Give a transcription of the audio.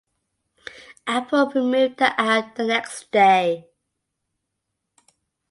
Apple removed the app the next day.